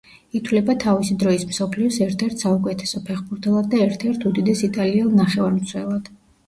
ითვლება თავისი დროის მსოფლიოს ერთ-ერთ საუკეთესო ფეხბურთელად და ერთ-ერთ უდიდეს იტალიელ ნახევარმცველად.